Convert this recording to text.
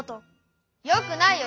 よくないよ。